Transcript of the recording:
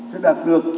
sẽ đạt được